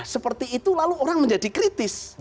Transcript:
seperti itu lalu orang menjadi kritis